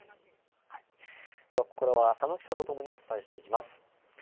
ではここからは佐野記者と共にお伝えしていきます。